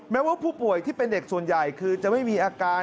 แม้ว่าผู้ป่วยที่เป็นเด็กส่วนใหญ่คือจะไม่มีอาการ